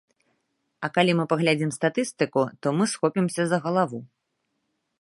А калі мы паглядзім статыстыку, то мы схопімся за галаву.